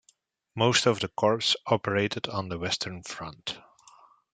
Most of the corps operated on the Western Front.